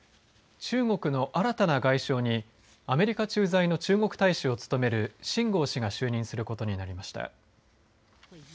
中国の新たな外相にアメリカ駐在の中国大使を務める秦剛氏が就任することになりました。